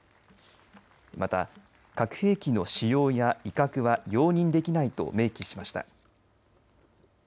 また核兵器の使用や威嚇は容認できないと明記しました。